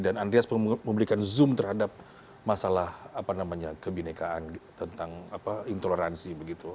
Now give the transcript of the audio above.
dan andreas memberikan zoom terhadap masalah kebenekaan tentang intoleransi